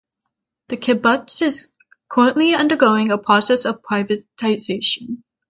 The kibbutz is currently undergoing a process of privatization.